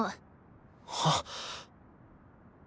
はっ。